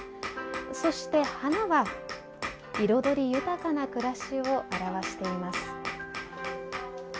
そして花は彩り豊かな暮らしを表しています。